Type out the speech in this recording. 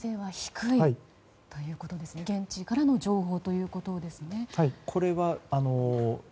現地からの情報ということですね。